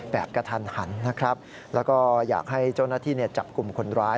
กระทันหันนะครับแล้วก็อยากให้เจ้าหน้าที่จับกลุ่มคนร้าย